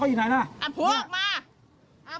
ผัวกับเมียมาคุยกันเลยค่ะผัว